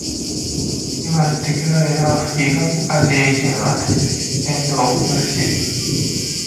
He was declared a free agent at the end of the season.